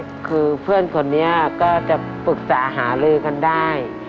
ก็คือเพื่อนคนนี้ก็จะปรึกษาหาลือกันได้